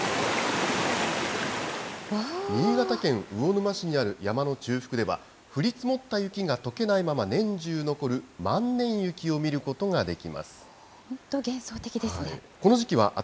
新潟県魚沼市にある山の中腹では、降り積もった雪がとけないまま年中残る万年雪を見ることができま本当